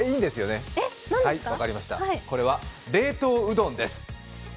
これは冷凍うどんです。